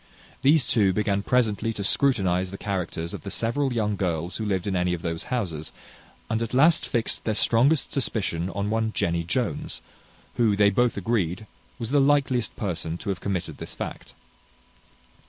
These two began presently to scrutinize the characters of the several young girls who lived in any of those houses, and at last fixed their strongest suspicion on one Jenny Jones, who, they both agreed, was the likeliest person to have committed this fact.